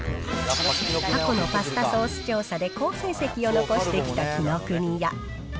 過去のパスタソース調査で好成績を残してきた紀ノ国屋。